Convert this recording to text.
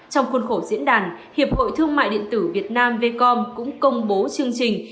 trong khuôn khổ diễn đàn hiệp hội thương mại điện tử việt nam vcom cũng công bố chương trình